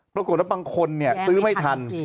ปรากฏว่าบางคนซื้อไม่ทัน